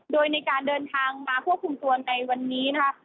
โดยในการเดินทางมาควบคุมตัวในวันนี้นะคะ